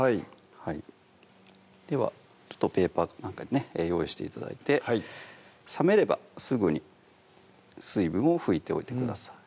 はいではペーパーか何かにね用意して頂いて冷めればすぐに水分を拭いておいてください